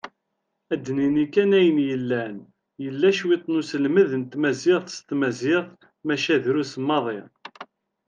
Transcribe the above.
Ad nini kan ayen yellan, yella cwiṭ n uselmed n tmaziɣt s tmaziɣt, maca drus maḍi.